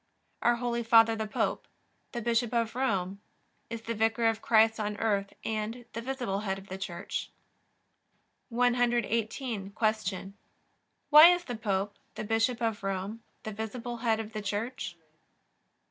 Our Holy Father the Pope, the Bishop of Rome, is the Vicar of Christ on earth and the visible Head of the Church. 118. Q. Why is the Pope, the Bishop of Rome, the visible Head of the Church?